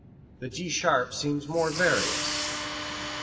The G sharp seems more various.